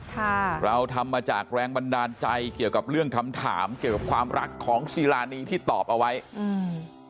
ค่ะเราทำมาจากแรงบันดาลใจเกี่ยวกับเรื่องคำถามเกี่ยวกับความรักของซีรานีที่ตอบเอาไว้อืม